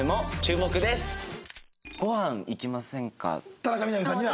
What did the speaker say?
田中みな実さんには。